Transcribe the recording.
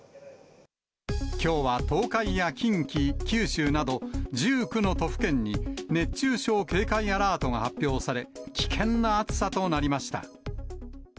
きょうは東海や近畿、九州など１９の都府県に、熱中症警戒アラートが発表され、危険な暑さとなりました。